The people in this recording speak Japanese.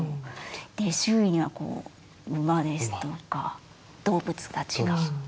周囲には馬ですとか動物たちが一緒にいると。